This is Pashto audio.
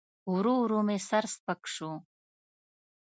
ورو ورو مې سر سپک سو.